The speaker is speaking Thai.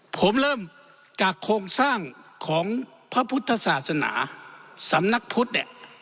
ผมเริ่มจากโครงสร้างของพระพุทธศาสนาสำนักพุทธเนี่ย